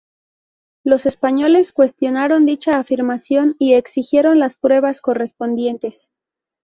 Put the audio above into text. Los españoles cuestionaron dicha afirmación y exigieron las pruebas correspondientes.